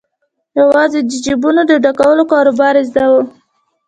یوازې د جیبونو د ډکولو کاروبار یې زده وو.